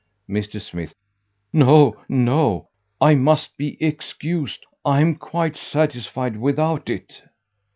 Mr. Smith "No, no, I must be excused: I am quite satisfied without it."